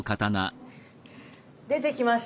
出てきました。